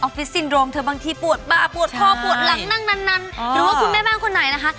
ฟิสซินโรมเธอบางทีปวดบ้าปวดคอปวดหลังนั่งนานหรือว่าคุณแม่บ้านคนไหนนะคะ